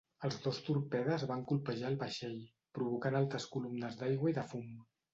Els dos torpedes van colpejar el vaixell, provocant altes columnes d'aigua i de fum.